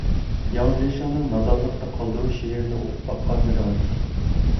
ياڭ زېڭشىننىڭ «نادانلىقتا قالدۇرۇش» شېئىرىنى ئوقۇپ باققانمىدىڭىز؟